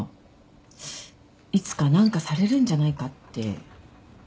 いつか何かされるんじゃないかって。